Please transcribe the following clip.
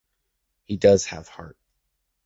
He does have heart!